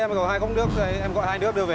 đây em gọi hai công nước em gọi hai nước đưa về